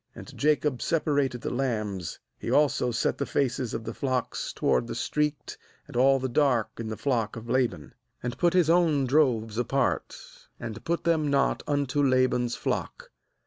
40And Jacob separated the lambs — he also set the faces of the flocks toward the streaked and all the dark in the flock of La ban — and put his own droves apart, and put them not unto Laban's flock.